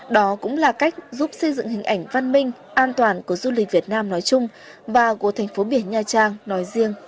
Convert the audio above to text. đó cũng là cách giúp xây dựng hình ảnh văn minh an toàn của du lịch việt nam nói chung và của thành phố biển nha trang nói riêng